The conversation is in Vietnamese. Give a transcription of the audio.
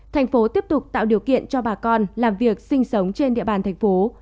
thành phố tiếp tục tạo điều kiện cho bà con làm việc sinh sống trên địa bàn thành phố